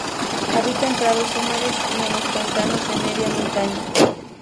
Habita en prados húmedos y en los pantanos de media montaña.